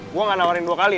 gue gak nawarin dua kali ya